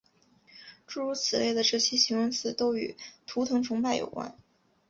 诸如此类的这些形容语都与图腾崇拜有关。